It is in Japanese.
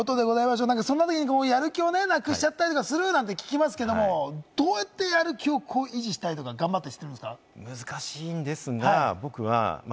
そんな時にやる気をなくしちゃったりするなんて聞きますけども、どうやって、やる気を維持したりとか、頑張ったりしてたんですか？